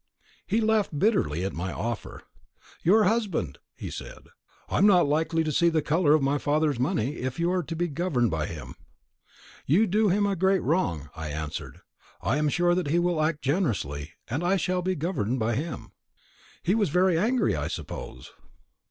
"He laughed bitterly at my offer. 'Your husband!' he said 'I am not likely to see the colour of my father's money, if you are to be governed by him.' 'You do him a great wrong,' I answered. 'I am sure that he will act generously, and I shall be governed by him.'" "He was very angry, I suppose?"